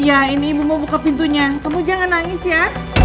iya ini ibu mau buka pintunya kamu jangan nangis ya